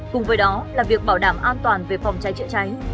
cùng với đó là việc bảo đảm an toàn về phòng cháy chữa cháy